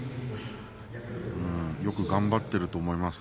よく頑張っていると思います。